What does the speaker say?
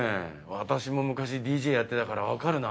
私も昔ＤＪやってたからわかるな。